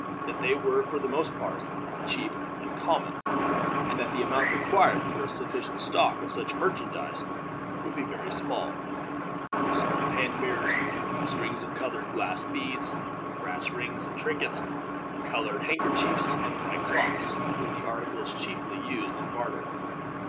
That they were for the most part cheap and common, and that the amount required for a sufficient stock of such merchandise would be very small. Small hand mirrors, strings of colored glass beads, brass rings and trinkets, colored handkerchiefs and bright cloths, were the articles chiefly used in barter.